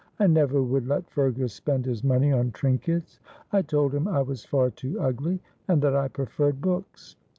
I never would let Fergus spend his money on trinkets. I told him I was far too ugly, and that I preferred books.